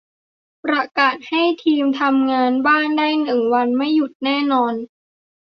ประกาศให้ทีมทำงานบ้านได้หนึ่งวัน ไม่หยุดแน่นอน